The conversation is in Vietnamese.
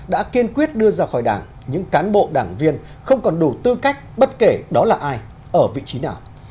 đã kiên quyết đưa ra khỏi đảng những cán bộ đảng viên không còn đủ tư cách bất kể đó là ai ở vị trí nào